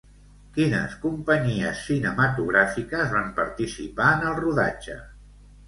Quines companyies cinematogràfiques van participar en el rodatge?